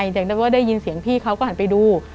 อยากได้ว่าได้ยินเสียงพี่เขาก็หันไปดู